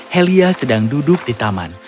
helia sedang duduk di taman